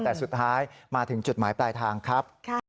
แต่สุดท้ายมาถึงจุดหมายปลายทางครับ